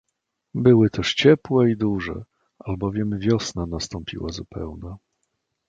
"Były też ciepłe i duże, albowiem wiosna nastąpiła zupełna."